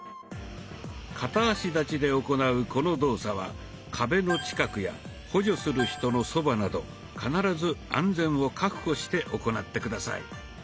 片足立ちで行うこの動作は壁の近くや補助する人のそばなど必ず安全を確保して行って下さい。